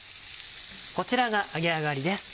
こちらが揚げ上がりです。